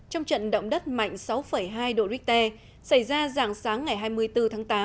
trong trận động đất mạnh sáu hai độ richter xảy ra dạng sáng ngày hai mươi bốn tháng tám